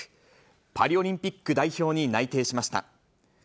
パリオリンピック代表に内定しました。